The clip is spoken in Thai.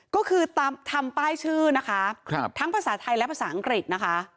ก็คือทำป้ายชื่อนะคะทั้งภาษาไทยและภาษาอังกฤษนะคะ